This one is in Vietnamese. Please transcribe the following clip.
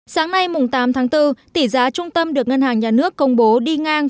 sáng nay tám tháng bốn tỷ giá trung tâm được ngân hàng nhà nước công bố đi ngang